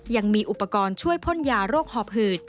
ยังมีอุปกรณ์ช่วยพ่นยาโรคหอบหืด